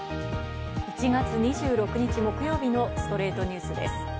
１月２６日、木曜日の『ストレイトニュース』です。